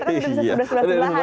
kita kan bisa sebelah sebelahan ya